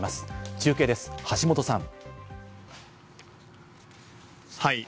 中継です、橋本さん。